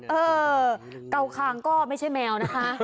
เออเกาคางก็ไม่ใช่แมวนะคะ